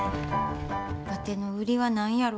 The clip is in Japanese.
わての売りは何やろか？